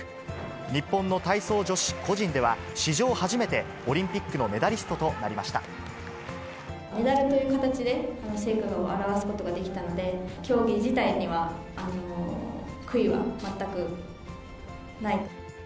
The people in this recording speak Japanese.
日本の体操女子個人では、史上初めて、オリンピックのメダリストメダルという形で、成果を表すことができたので、競技自体には悔いは全くない。